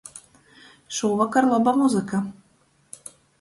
Šūvokor loba muzyka.